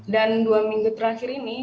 dan dua minggu terakhir ini